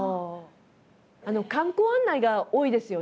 観光案内が多いですよね？